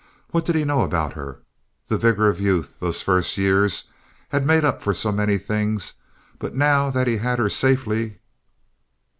What did he know about her? The vigor of youth—those first years—had made up for so many things, but now that he had her safely...